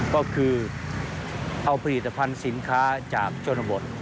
ก็คือเอาผลิตภัณฑ์สินค้าจากชนบท